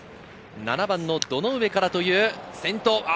７番の堂上からという先頭。